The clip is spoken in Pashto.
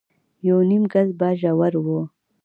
يونيم ګز به ژور و.